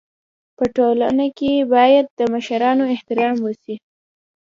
په ټولنه کي بايد د مشرانو احترام وسي.